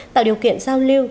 tạo điều kiện giao lưu